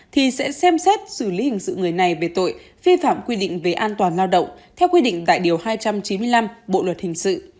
thì sẽ xem xét xử lý hình sự người này về tội vi phạm quy định về an toàn lao động theo quy định tại điều hai trăm chín mươi năm bộ luật hình sự